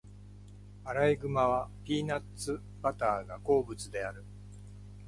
アライグマはピーナッツバターが好物である。